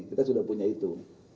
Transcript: kita sudah punya itu